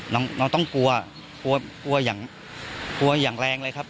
น้องต้องกลัวกลัวอย่างแรงเลยครับ